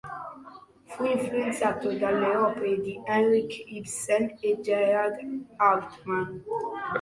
Fu influenzato dalle opere di Henrik Ibsen e Gerhart Hauptmann.